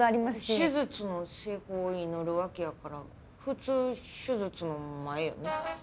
手術の成功を祈るわけやから普通手術の前よね？